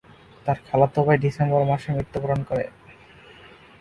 তার খালাতো ভাই ডিসেম্বর মাসে মৃত্যুবরণ করে।